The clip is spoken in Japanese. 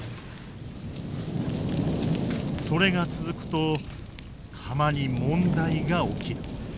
それが続くと釜に問題が起きる。